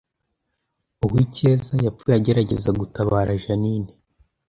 Uwicyeza yapfuye agerageza gutabara Jeaninne